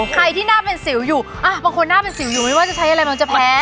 ใครที่หน้าเป็นสิวอยู่บางคนหน้าเป็นสิวอยู่ไม่ว่าจะใช้อะไรมันจะแพ้